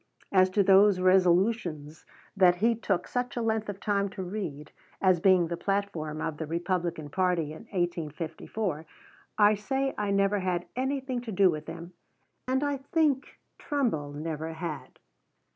As to those resolutions that he took such a length of time to read, as being the platform of the Republican party in 1854, I say I never had anything to do with them; and I think Trumbull never had.